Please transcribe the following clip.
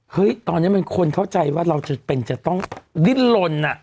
เฮ้ยตอนนี้มันคนเข้าใจว่าเราจะเป็นจะต้องดิ้นลน